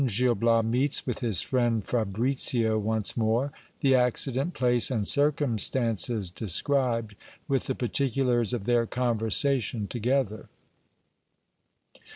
— Gil Bias meets with his frietid Fabririo once more ; the accident, place, and circumstances described ; with the particulars of their conversation together.